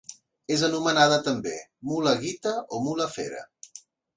És anomenada també mula guita o mula fera.